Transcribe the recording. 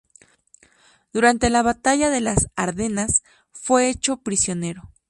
Durante la Batalla de las Ardenas fue hecho prisionero.